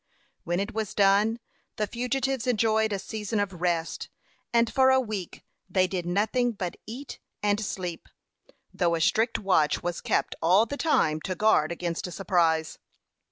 When it was done, the fugitives enjoyed a season of rest, and for a week they did nothing but eat and sleep, though a strict watch was kept all the time to guard against a surprise.